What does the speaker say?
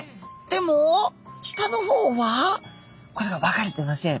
でも下の方はこれが分かれてません。